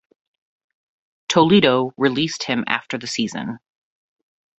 Toledo released him after the season.